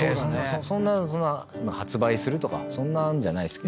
そうだね。発売するとかそんなんじゃない。